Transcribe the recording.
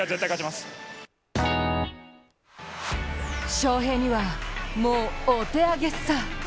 翔平には、もうお手上げさ。